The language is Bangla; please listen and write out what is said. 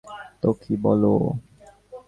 তো কী বলো?